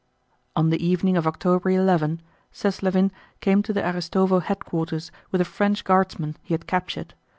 On the evening of October 11 Seslávin came to the Aristóvo headquarters with a French guardsman he had captured.